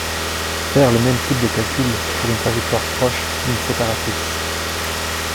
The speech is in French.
Faire le même type de calcul pour une trajectoire proche d'une séparatrice